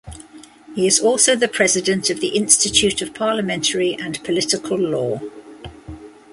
He is also the President of the Institute of Parliamentary and Political Law.